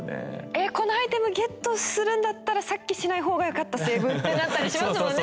「えっこのアイテムゲットするんだったらさっきしない方がよかったセーブ」みたいになったりしますもんね